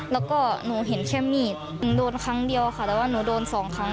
แล้วก็หนูเห็นแค่มีดหนูโดนครั้งเดียวค่ะแต่ว่าหนูโดนสองครั้ง